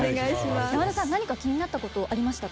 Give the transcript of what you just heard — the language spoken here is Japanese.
山田さん何か気になったことありましたか？